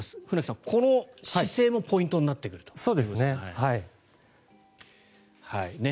船木さん、この姿勢もポイントになってくると。